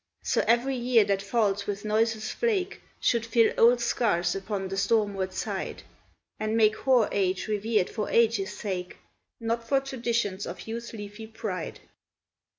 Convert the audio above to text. So every year that falls with noiseless flake Should fill old scars upon the stormward side, And make hoar age revered for age's sake, Not for traditions of youth's leafy pride.